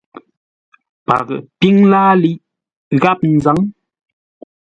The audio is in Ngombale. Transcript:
Paghʼə píŋ láaliʼ gháp nzâŋ.